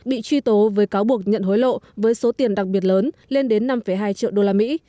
bị truy tố với cáo buộc nhận hối lộ với số tiền đặc biệt lớn lên đến năm hai triệu đô la mỹ